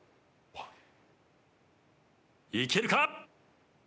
いけるか？